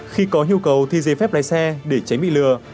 khi có nhu cầu thi giấy phép lái xe để tránh bị lừa